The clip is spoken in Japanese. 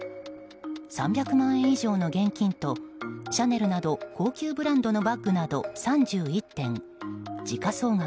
３００万円以上の現金とシャネルなど高級ブランドのバッグなど３１点、時価総額